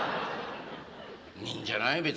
いいんじゃない？